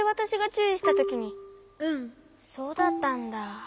そうだったんだ。